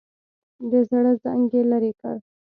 د زړه زنګ یې لرې کړ.